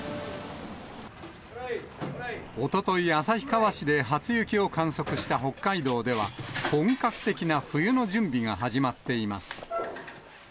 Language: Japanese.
おととい、旭川市で初雪を観測した北海道では、本格的な冬の準備が始まっています。